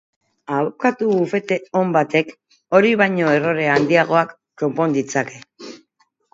Abokatu bufete on batek hori baino errore handiagoak konpon ditzake.